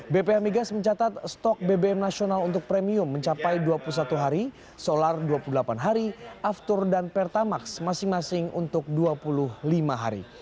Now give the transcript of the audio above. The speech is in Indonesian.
bph migas mencatat stok bbm nasional untuk premium mencapai dua puluh satu hari solar dua puluh delapan hari aftur dan pertamax masing masing untuk dua puluh lima hari